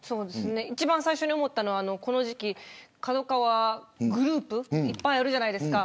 一番最初に思ったのはこの時期ＫＡＤＯＫＡＷＡグループいっぱいあるじゃないですか。